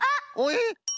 えっ？